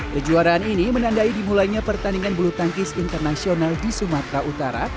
kejuaraan ini menandai dimulainya pertandingan bulu tangkis internasional di sumatera utara